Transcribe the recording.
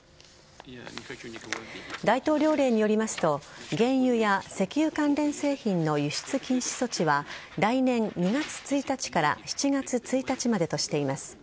大統領令によりますと原油や石油関連製品の輸出禁止措置は来年２月１日から７月１日までとしています。